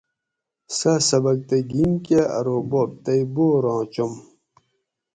سہ سبکتگین کہ ارو بوب تئ بوراں چُم